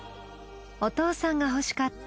お父さんが欲しかった